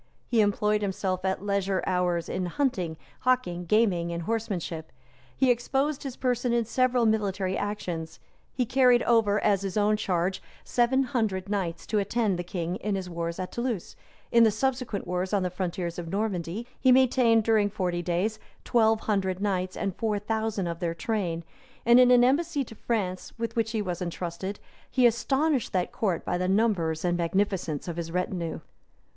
He employed himself at leisure hours in hunting, hawking, gaming, and horsemanship; he exposed his person in several military actions; he carried over, at his own charge, seven hundred knights to attend the king in his wars at Toulouse; in the subsequent wars on the frontiers of Normandy, he maintained, during forty days, twelve hundred knights, and four thousand of their train; and in an embassy to France, with which he was intrusted, he astonished that court by the number and magnificence of his retinue.